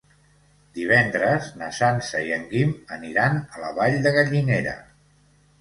Divendres na Sança i en Guim aniran a la Vall de Gallinera.